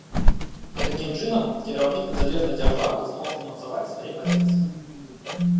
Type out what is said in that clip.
Такім чынам, кіраўнік незалежнай дзяржавы змог умацаваць свае пазіцыі.